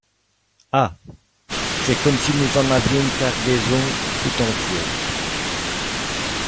Ah! c’est comme si nous en avions une cargaison tout entière !